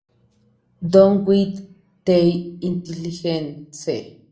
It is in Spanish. Down With The Intelligence!